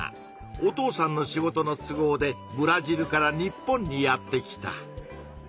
お父さんの仕事の都合でブラジルから日本にやって来た。